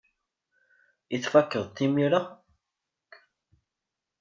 I tfakeḍ-t imir-a?